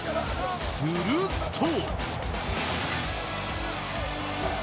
すると。